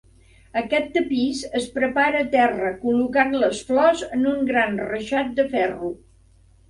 Aquest tapís es prepara a terra col·locant les flors en un gran reixat de ferro.